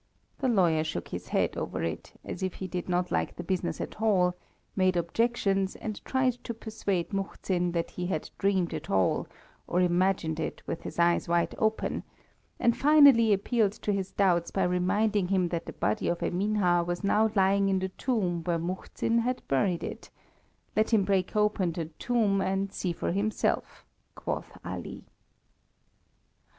The lawyer shook his head over it, as if he did not like the business at all, made objections, and tried to persuade Muhzin that he had dreamed it all, or imagined it with his eyes wide open, and finally appealed to his doubts by reminding him that the body of Eminha was now lying in the tomb where Muhzin had buried it let him break open the tomb and see for himself, quoth Ali.